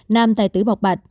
nam tài tử bọc bà